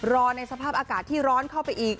ในสภาพอากาศที่ร้อนเข้าไปอีก